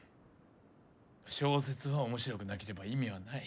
小説は面白くなければ意味はない。